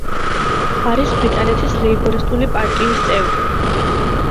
არის ბრიტანეთის ლეიბორისტული პარტიის წევრი.